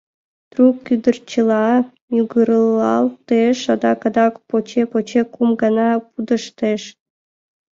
Трук кӱдырчыла мӱгыралтеш, адак, адак — поче-поче кум гана пудештеш.